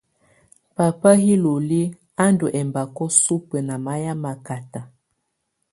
Pápá iloli á ndɔ́ ɛmbakɔ̀ supǝ́ ná mayɛ̀á makata.